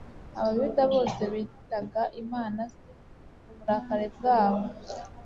Abayuda bose bitaga Imana Se; uburakari bwabo